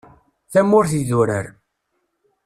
Tamurt idurar.